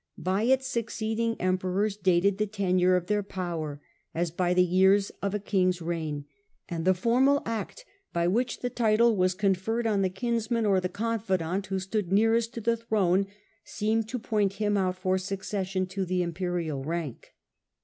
By it suc ceeding emperors dated the tenure of their power, as by the years of a king's reign, and the formal act by which the title was conferred on the kinsman or the confidant who stood nearest to the throne seemed to point him out for succession to the imperial rank.